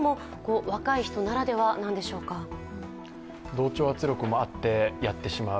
同調圧力もあって、やってしまう。